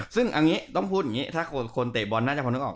ซึ่งอันนี้ต้องพูดอย่างนี้ถ้าคนเตะบอลน่าจะพอนึกออก